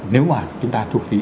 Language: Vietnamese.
nếu mà chúng ta thu phí